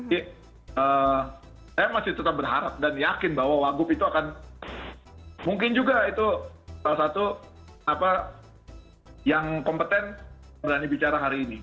jadi saya masih tetap berharap dan yakin bahwa wagup itu akan mungkin juga itu salah satu apa yang kompeten berani bicara hari ini